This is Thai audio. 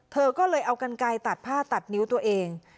เธอก็เลยเอากันไกลตัดผ้าตัดนิ้วตัวเอง